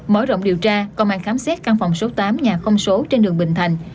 mở rộng điều tra công an khám xét căn phòng số tám nhà không số trên đường bình thành